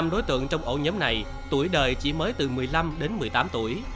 năm đối tượng trong ổ nhóm này tuổi đời chỉ mới từ một mươi năm đến một mươi tám tuổi